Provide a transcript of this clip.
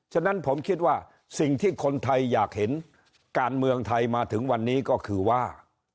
ฉะนั้นผมคิดว่าสิ่งที่คนไทยอยากเห็นการเมืองไทยมาถึงวันนี้ก็คือว่า